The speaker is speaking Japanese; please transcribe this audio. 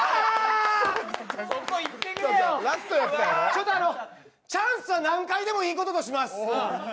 ちょっと、チャンスは何回でもいいこととします。